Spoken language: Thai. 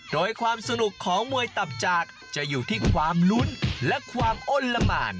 โดยความสนุกของมวยตับจากจะอยู่ที่ความลุ้นและความอ้นละหมาน